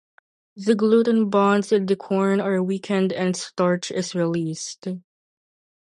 The gluten bonds in the corn are weakened and starch is released.